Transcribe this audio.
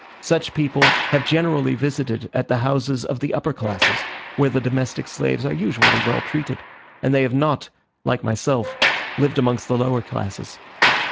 Such people have generally visited at the houses of the upper classes, where the domestic slaves are usually well treated, and they have not, like myself, lived amongst the lower classes.